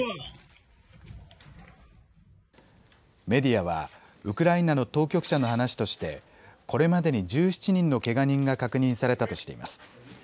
メディアはウクライナの当局者の話としてこれまでに１７人のけが人が確認されたとしています。